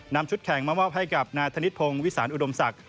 ชุดแข่งมามอบให้กับนายธนิษฐพงศ์วิสานอุดมศักดิ